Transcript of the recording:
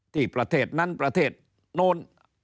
ประเทศนั้นประเทศโน้น